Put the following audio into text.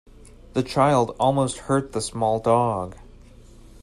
The child almost hurt the small dog.